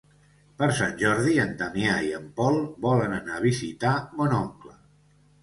Per Sant Jordi en Damià i en Pol volen anar a visitar mon oncle.